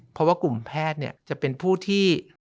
เพราะว่ากลุ่มแพทย์จะเป็นผู้ที่